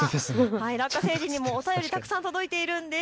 ラッカ星人にもお便りがたくさん届いているんです。